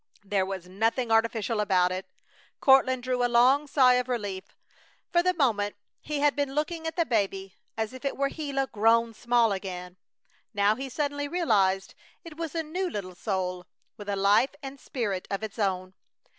There was nothing artificial about it. Courtland drew a long sigh of relief. For the moment he had been looking at the baby as if it were Gila grown small again; now he suddenly realized it was a new little soul with a life and a spirit of its own.